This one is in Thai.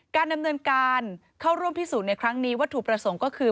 การดำเนินการเข้าร่วมพิสูจน์ในครั้งนี้วัตถุประสงค์ก็คือ